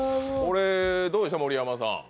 どうでしょう、盛山さん。